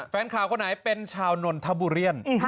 แฟนข่าวคนไหนเป็นชาวนนทบุรี